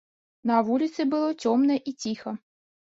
На вуліцы было цёмна і ціха.